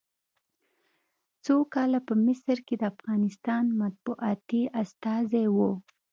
څو کاله په مصر کې د افغانستان مطبوعاتي استازی و.